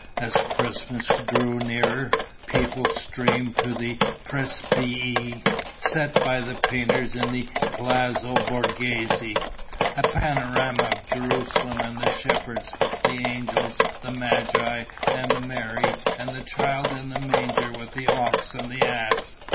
As Christmas drew nearer, people streamed to the presepii set up by painters in the Palazzo Borghese: a panorama of Jerusalem and the shepherds, the angels, the Magi and Mary and the Child in the manger with the ox and the ass.